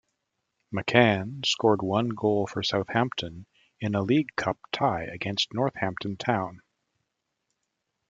McCann scored one goal for Southampton, in a League Cup tie against Northampton Town.